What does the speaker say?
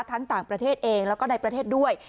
ต่างประเทศเองแล้วก็ในประเทศด้วย